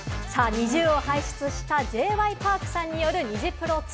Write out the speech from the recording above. ＮｉｚｉＵを輩出したＪ．Ｙ．Ｐａｒｋさんによるニジプロ２。